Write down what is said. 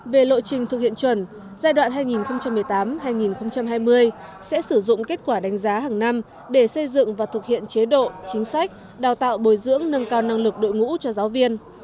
về lộ trình thực hiện chuẩn giai đoạn hai nghìn một mươi tám hai nghìn hai mươi sẽ sử dụng kết quả đánh giá hàng năm để xây dựng và thực hiện chế độ chính sách đào tạo bồi dưỡng nâng cao năng lực đội ngũ cho giáo viên